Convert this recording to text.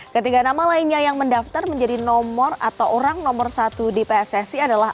ketiga nama lainnya yang mendaftar menjadi nomor atau orang nomor satu di pssi adalah